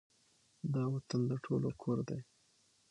دا وطــن د ټولو کـــــــــــور دی